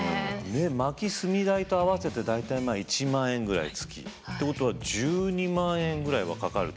薪・炭代と合わせて大体１万円ぐらい月。ってことは１２万円ぐらいはかかると。